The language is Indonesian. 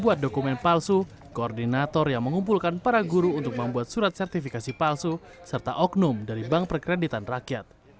membuat dokumen palsu koordinator yang mengumpulkan para guru untuk membuat surat sertifikasi palsu serta oknum dari bank perkreditan rakyat